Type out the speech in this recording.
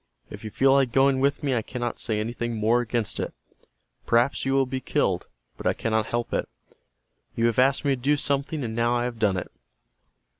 If you feel like going with me I cannot say anything more against it. Perhaps you will be killed, but I cannot help it. You have asked me to do something, and now I have done it."